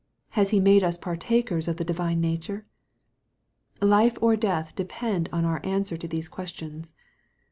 Has He made us partakers of the Divine nature ? Life or death depend on our answer to these questions.